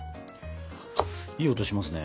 いい音しますね。